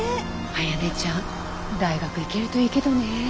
あやねちゃん大学行けるといいけどねえ。